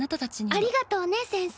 ありがとうね先生。